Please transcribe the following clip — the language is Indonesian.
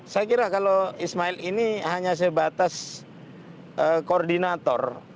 saya kira kalau ismail ini hanya sebatas koordinator